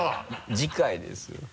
次回ですよ。